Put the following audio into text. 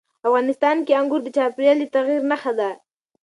افغانستان کې انګور د چاپېریال د تغیر نښه ده.